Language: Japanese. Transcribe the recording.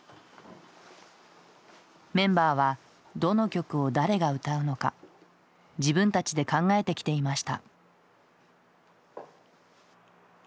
メンバーはどの曲を誰が歌うのか自分たちで考えてきていました。